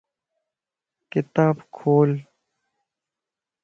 ڪتاب کول